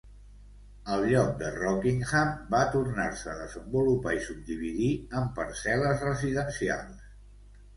El lloc de Rockingham va tornar-se a desenvolupar i subdividir en parcel·les residencials.